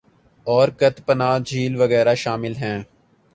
اور کت پناہ جھیل وغیرہ شامل ہیں